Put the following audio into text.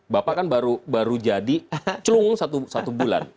bapak kan baru jadi celung satu bulan